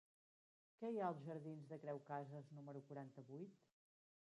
Què hi ha als jardins de Creu Casas número quaranta-vuit?